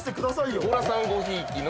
強羅さんごひいきの。